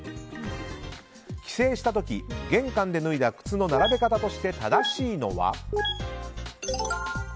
帰省した時玄関で脱いだ靴の並べ方として正しいのは。